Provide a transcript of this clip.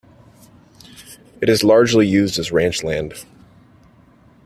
It is largely used as ranch land.